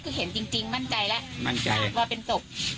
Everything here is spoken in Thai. คือเห็นจริงมั่นใจแล้วมั่นใจว่าเป็นศพ